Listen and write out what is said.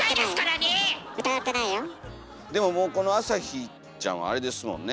でももうこのあさひちゃんはあれですもんね。